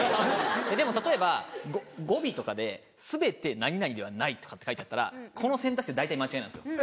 でも例えば語尾とかで「全て何々ではない」とかって書いてあったらこの選択肢は大体間違いなんですよ。